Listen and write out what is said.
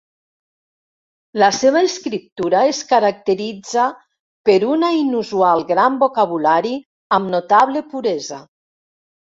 La seva escriptura es caracteritza per una inusual gran vocabulari amb notable puresa.